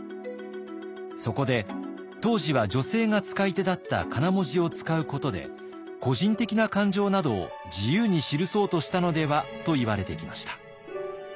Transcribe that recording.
そこで当時は女性が使い手だったかな文字を使うことで個人的な感情などを自由に記そうとしたのではといわれてきました。